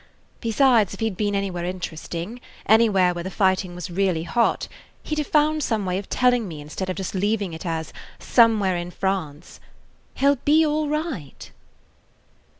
Besides, if he 'd been anywhere interesting, anywhere where the fighting was really hot, he 'd have found some way of telling me instead of just leaving it as 'Somewhere in France.' He 'll be all right."